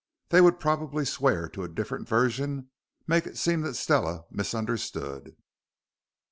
They would probably swear to a different version, make it seem that Stella misunderstood."